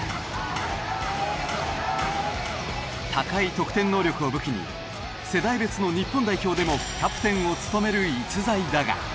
高い得点能力を武器に世代別の日本代表でもキャプテンを務める逸材だが。